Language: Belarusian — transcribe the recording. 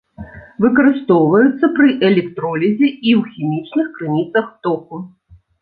Выкарыстоўваюцца пры электролізе і ў хімічных крыніцах току.